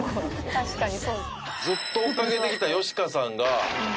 「確かに」